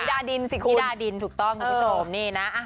ดาดินสิทธิดาดินถูกต้องคุณผู้ชมนี่นะ